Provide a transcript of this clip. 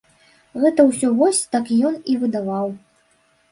Гэта ўсё вось так ён і выдаваў.